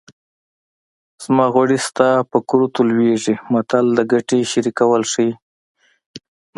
زما غوړي ستا په کورتو لوېږي متل د ګټې شریکول ښيي